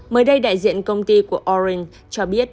mới đây đại diện công ty của oren cho biết